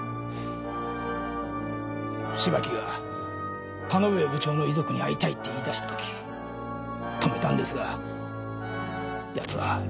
芝木が田ノ上部長の遺族に会いたいって言い出した時止めたんですが奴は耳を貸さなくて。